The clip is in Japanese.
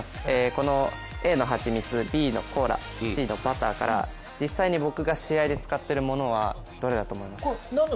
このＡのはちみつ、Ｂのコーラ、Ｃのバターから実際に僕が試合で使っているものはなんだと思いますか？